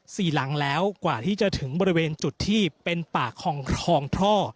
สี่หลังแล้วกว่าที่จะถึงบริเวณจุดที่เป็นป่าคองคลองท่อ